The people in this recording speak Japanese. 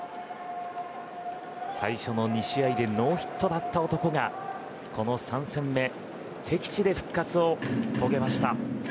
最初の２試合でノーヒットだった男がこの３戦目敵地で復活を遂げました。